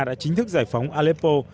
đã chính thức giải phóng aleppo